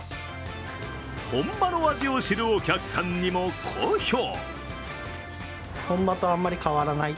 本場の味を知るお客さんにも好評。